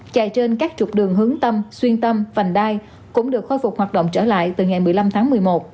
chạy trên các trục đường hướng tâm xuyên tâm vành đai cũng được khôi phục hoạt động trở lại từ ngày một mươi năm tháng một mươi một